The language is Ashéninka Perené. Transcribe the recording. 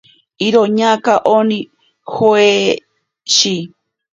Iroñaaka oni joeweshi.